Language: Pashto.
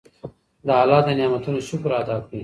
د الله د نعمتونو شکر ادا کړئ.